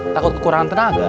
takut kekurangan tenaga